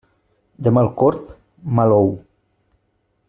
De mal corb, mal ou.